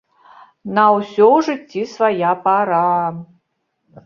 На ўсё ў жыцці свая пара.